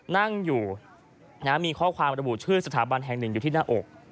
นั่งอยู่มีข้อความระบุชื่อสถาบันแห่งหนึ่งอยู่ที่หน้าอก